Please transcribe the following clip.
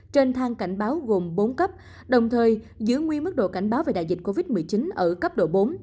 trên thang cảnh báo gồm bốn cấp đồng thời giữ nguyên mức độ cảnh báo về đại dịch covid một mươi chín ở cấp độ bốn